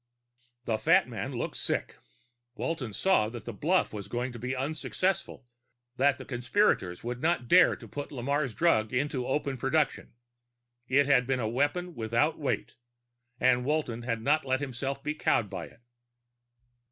The fat man looked sick. Walton saw that the bluff was going to be unsuccessful; that the conspirators would not dare put Lamarre's drug into open production. It had been a weapon without weight, and Walton had not let himself be cowed by it.